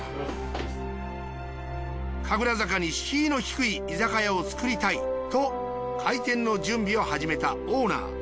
神楽坂に敷居の低い居酒屋を作りたいと開店の準備を始めたオーナー。